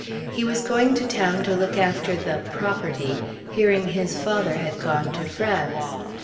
He was going to town to look after the "property," hearing his father had gone to France.